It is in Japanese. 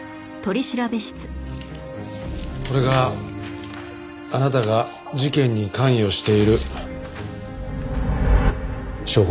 これがあなたが事件に関与している証拠です。